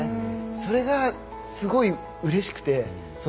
それが、すごいうれしくて。